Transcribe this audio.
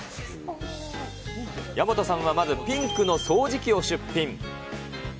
大和さんはまず、ピンクの掃除機を出品。